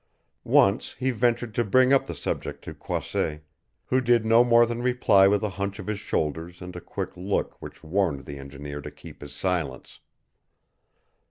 Once he ventured to bring up the subject to Croisset, who did no more than reply with a hunch of his shoulders and a quick look which warned the engineer to keep his silence.